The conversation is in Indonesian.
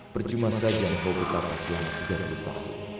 perjumah saja kau bertahun tahun tidak bertahun tahun